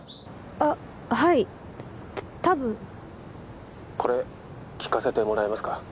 あっはい多分☎これ聞かせてもらえますか？